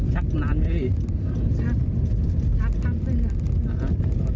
ชักนานไม่ได้อีกชักชักทั้งเพื่อนอ่ะอ่า